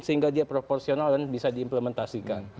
sehingga dia proporsional dan bisa diimplementasikan